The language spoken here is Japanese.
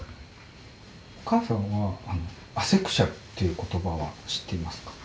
お母さんはアセクシュアルっていう言葉は知ってますか？